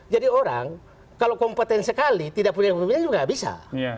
jadi orang kalau kompeten sekali tidak punya kompetensi juga nggak bisa